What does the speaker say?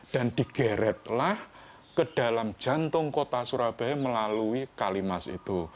dan digeretlah ke dalam jantung kota surabaya melalui kalimas itu